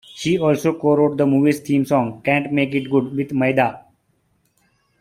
She also co-wrote the movie's theme song, "Can't Make it Good", with Maida.